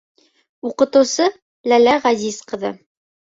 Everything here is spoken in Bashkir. Уҡытыусы Ләлә Ғәзиз ҡыҙы: